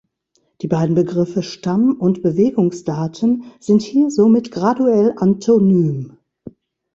Die beiden Begriffe Stamm- und Bewegungsdaten sind hier somit graduell antonym.